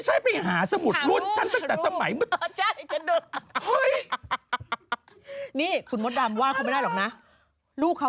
ชื่อกันชัยไม่รู้เหรอว่าแปลว่าอะไร